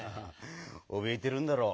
おびえてるんだろう。